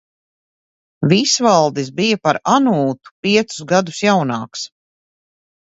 Visvaldis bija par Anūtu piecus gadus jaunāks.